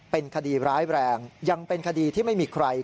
เป็นคดีร้ายแรงยังเป็นคดีที่ไม่มีใคร